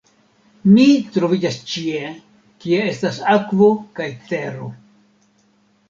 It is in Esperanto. "Mi troviĝas ĉie kie estas akvo kaj tero."